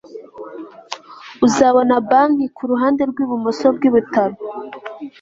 uzabona banki kuruhande rwibumoso bwibitaro